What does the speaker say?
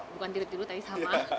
bukan tidur tidur tadi sama